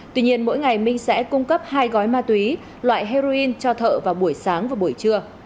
tuy nhiên mỗi ngày minh sẽ cung cấp hai gói ma túy loại heroin cho thợ vào buổi sáng và buổi trưa